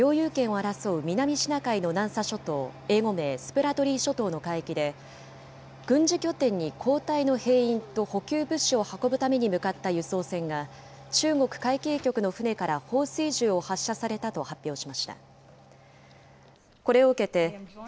フィリピン軍は５日、中国と領有権を争う南シナ海の南沙諸島、英語名スプラトリー諸島の海域で、軍事拠点に交代の兵員と補給物資を運ぶために向かった輸送船が中国海警局の船から放水銃を発射されたと発表しました。